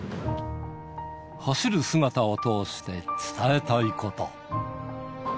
走る姿を通して伝えたいこと。